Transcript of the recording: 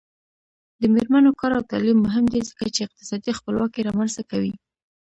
د میرمنو کار او تعلیم مهم دی ځکه چې اقتصادي خپلواکي رامنځته کوي.